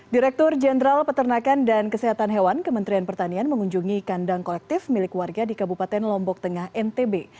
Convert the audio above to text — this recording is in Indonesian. direktur jenderal peternakan dan kesehatan hewan kementerian pertanian mengunjungi kandang kolektif milik warga di kabupaten lombok tengah ntb